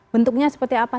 bentuknya seperti apa